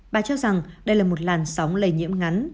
bà cho rằng đây là một làn sóng lây nhiễm ngắn